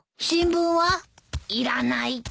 新聞は？いらない。